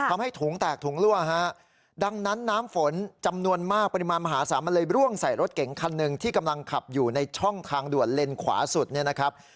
ทำให้ถุงแตกถุงรั่วฮะดังนั้นน้ำฝนจำนวนมากปริมาณมหาศาลมันเลยร่วงใส่รถเก๋งคันหนึ่งที่กำลังขับอยู่ในช่องทางด่วนเลนขวาสุดเนี่ยนะครับ